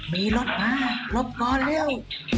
มีรถมารถก่อนเร็ว